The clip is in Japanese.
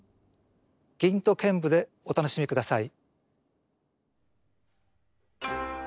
吟と剣舞でお楽しみください。